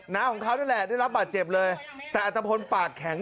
น้าของเขานั่นแหละได้รับบาดเจ็บเลยแต่อัตภพลปากแข็ง